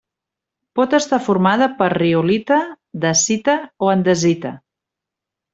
Pot estar formada per riolita, dacita o andesita.